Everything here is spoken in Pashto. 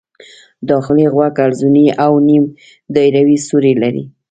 داخلي غوږ حلزوني او نیم دایروي سوري لري.